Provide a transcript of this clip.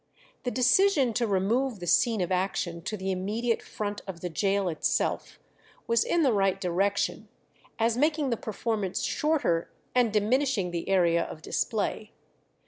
The decision to remove the scene of action to the immediate front of the gaol itself was in the right direction, as making the performance shorter and diminishing the area of display.